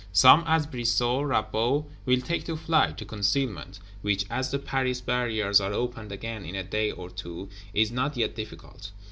Some, as Brissot, Rabaut, will take to flight, to concealment; which, as the Paris Barriers are opened again in a day or two, is not yet difficult.